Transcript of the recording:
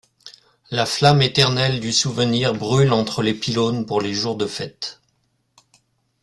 La flamme éternelle du souvenir brûle entre les pylônes pour les jours de fête.